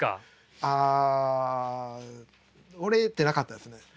あ折れてなかったですね。